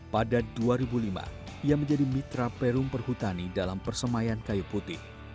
pada dua ribu lima ia menjadi mitra perum perhutani dalam persemayan kayu putih